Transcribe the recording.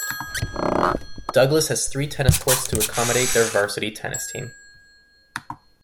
Douglass has three tennis courts to accommodate their varsity tennis team.